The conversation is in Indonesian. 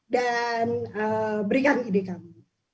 dan berikan ide kami